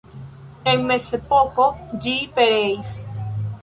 En mezepoko ĝi pereis.